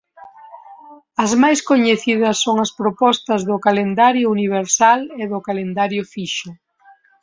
As máis coñecidas son as propostas do calendario universal e do calendario fixo.